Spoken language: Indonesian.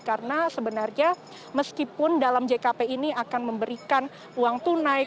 karena sebenarnya meskipun dalam jkp ini akan memberikan uang tunai